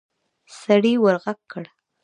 سړي ورغږ کړ.